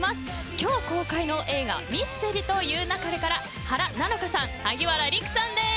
今日、公開の映画「ミステリと言う勿れ」から原菜乃華さん萩原利久さんです。